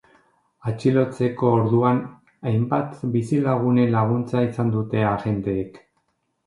Atxilotzeko orduan, hainbat bizilagunen laguntza izan dute agenteek.